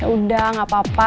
yaudah gak apa apa